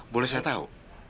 boleh saya tahu